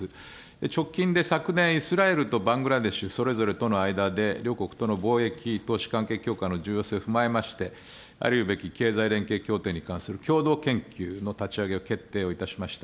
直近で昨年、イスラエルとバングラデシュ、両国との間で、両国との貿易、投資関係強化の重要性を踏まえまして、あるべき経済連携協定に関する共同研究の立ち上げを決定をいたしました。